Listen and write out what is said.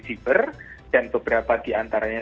siber dan beberapa diantaranya